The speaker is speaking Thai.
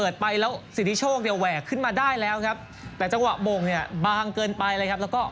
แต่จังหวะโมงเนี่ยบางเกินไปเลยครับ